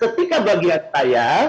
ketika bagian saya